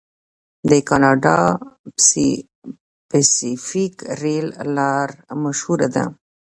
د کاناډا پیسفیک ریل لار مشهوره ده.